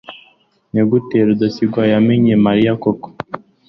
nigute rudasingwa yamenye mariya koko